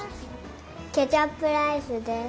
ケチャップライスです。